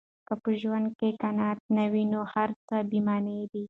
که په ژوند کې قناعت نه وي، نو هر څه بې مانا دي.